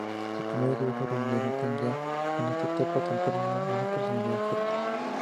Sus primeros dibujos denotan ya, en esta etapa temprana, una personalidad fuerte.